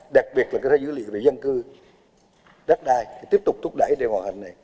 đặc biệt là cơ sở dữ liệu về dân cư đất đai tiếp tục thúc đẩy điều hòa hình này